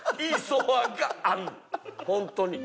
ホントに。